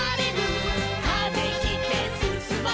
「風切ってすすもう」